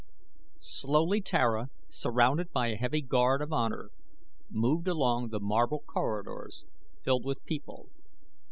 Slowly Tara, surrounded by a heavy guard of honor, moved along the marble corridors filled with people.